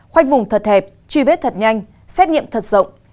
khoanh vùng thật hẹp truy vết thật nhanh xét nghiệm thật rộng